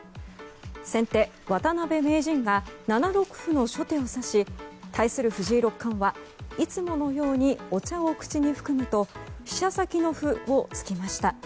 先手、渡辺名人が７六歩の初手を指し対する藤井六冠はいつものようにお茶を口に含むと飛車先の歩を突きました。